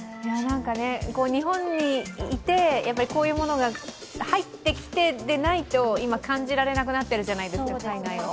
日本にいて、こういうものが入ってきてでないと今、感じられなくなっているじゃないですか、海外を。